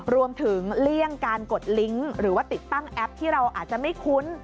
เลี่ยงการกดลิงก์หรือว่าติดตั้งแอปที่เราอาจจะไม่คุ้น